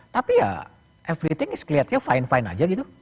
tapi ya everything is kelihatannya fine fine aja gitu